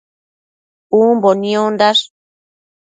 Umbo niondash